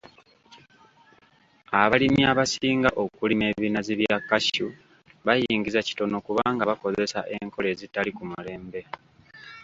Abalimi abasinga okulima ebinazi bya cashew bayingiza kitono kubanga bakozesa enkola ezitali ku mulembe.